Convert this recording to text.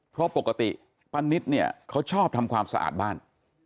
เพราะปกติป้านิตเนี่ยเขาชอบทำความสะอาดบ้าน